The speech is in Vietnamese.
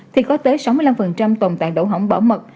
thì có tới sáu mươi năm tồn tại đổ hỏng bỏng